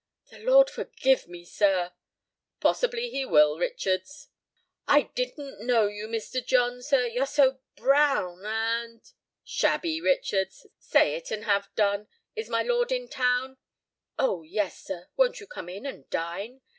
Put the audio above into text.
"The Lord forgive me, sir!" "Possibly He will, Richards." "I didn't know you, Mr. John, sir, you're so brown—and—" "Shabby, Richards; say it, and have done. Is my lord in town?" "Oh yes, sir. Won't you come in and dine?